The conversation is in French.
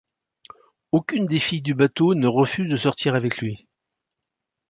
Aucune des filles du bateau ne refuse de sortir avec lui.